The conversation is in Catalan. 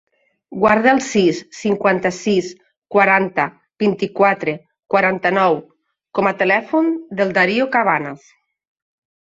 Guarda el sis, cinquanta-sis, quaranta, vint-i-quatre, quaranta-nou com a telèfon del Dario Cabanas.